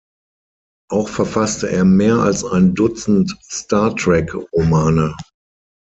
Auch verfasste er mehr als ein Dutzend Star Trek-Romane.